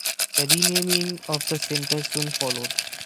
The renaming of the centre soon followed.